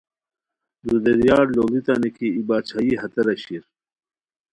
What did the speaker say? دودیریار لوڑیتانی کی ای باچھائی ہتیرا شیر